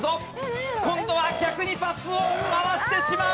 今度は逆にパスを回してしまう。